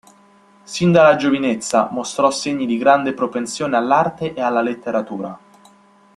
Sin dalla giovinezza mostrò segni di grande propensione all'arte e alla letteratura.